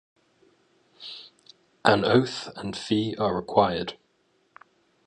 An oath and fee are required.